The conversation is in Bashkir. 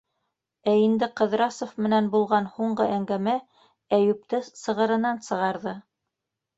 Ә инде Ҡыҙрасов менән булған һуңғы әңгәмә Әйүпте сығырынан сығарҙы.